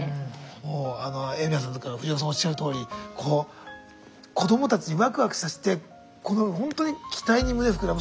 もうあの海老名さんとか藤岡さんがおっしゃるとおりこう子どもたちにワクワクさせてこのほんとに期待に胸膨らむ。